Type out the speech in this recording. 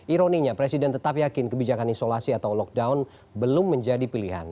ironinya presiden tetap yakin kebijakan isolasi atau lockdown belum menjadi pilihan